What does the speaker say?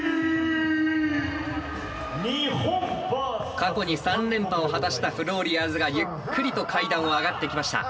過去に３連覇を果たしたフローリアーズがゆっくりと階段を上がってきました。